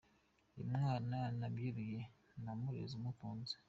Uyu mwana nabyiruye, namureze mukunze.